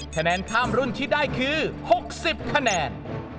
คะแนนข้ามรุ่นที่ได้คือ๖๐คะแนน